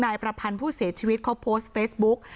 นายประพันธ์ผู้เสียชีวิตเขาโพสต์เฟซบุ๊ก